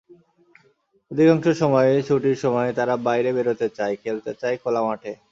অধিকাংশ সময়ই ছুটির সময়ে তারা বাইরে বেরোতে চায়, খেলতে চায় খোলা মাঠে।